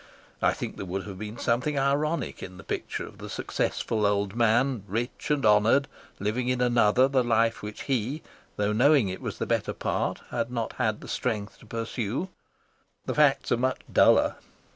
I think there would have been something ironic in the picture of the successful old man, rich and honoured, living in another the life which he, though knowing it was the better part, had not had the strength to pursue. The facts are much duller.